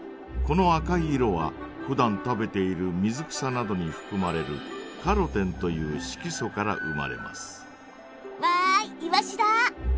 この赤い色はふだん食べている水草などにふくまれるカロテンという色素から生まれます。